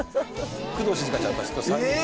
工藤静香ちゃんたちと３人で。